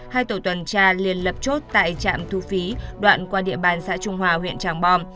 hai tổ tuần tra liên lập chốt tại trạm thu phí đoạn qua địa bàn xã trung hòa huyện tràng bom